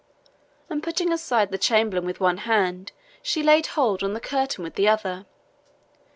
And putting aside the chamberlain with one hand, she laid hold on the curtain with the other.